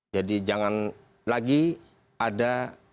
jadi jangan lagi ada